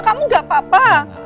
kamu gak apa apa